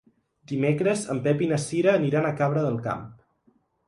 Dimecres en Pep i na Cira aniran a Cabra del Camp.